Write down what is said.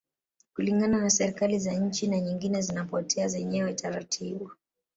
Kulingana na serikali za nchi na nyingine zinapotea zenyewe taratibu